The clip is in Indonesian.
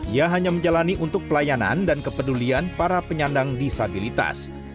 ia hanya menjalani untuk pelayanan dan kepedulian para penyandang disabilitas